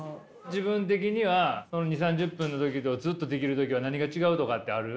自分的には２０３０分の時とずっとできる時は何が違うとかってある？